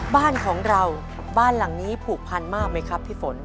บ้านของเราบ้านหลังนี้ผูกพันมากไหมครับพี่ฝน